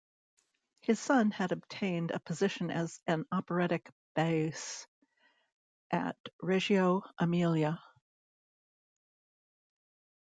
His son had obtained a position as an operatic bass at Reggio Emilia.